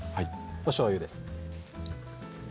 おしょうゆです。